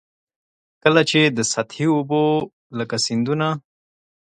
کله چي د سطحي اوبو لکه سیندونه.